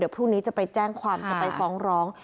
พรุ่งนี้จะไปแจ้งความจะไปฟ้องร้อง